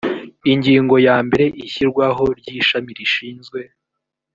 ingingo ya mbere ishyirwaho ry ishami rishinzwe